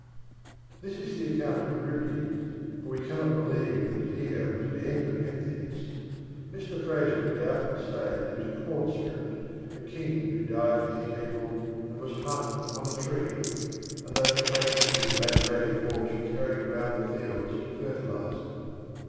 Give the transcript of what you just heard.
This is the account of Euripides ; but we cannot believe that here was an end of Pentheus. Mr. Eraser would doubtless say that he was a corn spirit, a king who died for his people and was hung upon a tree; 42 PENTHEUS and that the fragments of his lacerated corpse were carried round the fields to fertilize them.